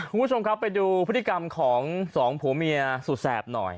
คุณผู้ชมครับไปดูพฤติกรรมของสองผัวเมียสุดแสบหน่อย